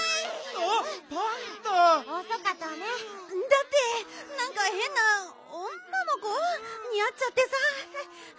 だってなんかへんな女の子にあっちゃってさ。